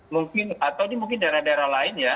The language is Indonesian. mungkin atau di daerah daerah lain ya